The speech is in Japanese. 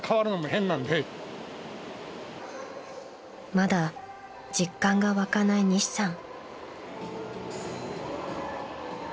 ［まだ実感が湧かない西さん］